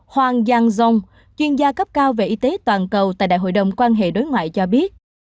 hoàng giang dông chuyên gia cấp cao về y tế toàn cầu tại đại hội đồng quan hệ đối ngoại cho biết